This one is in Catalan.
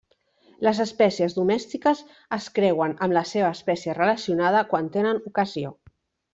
Les espècies domèstiques es creuen amb la seva espècie relacionada quan tenen ocasió.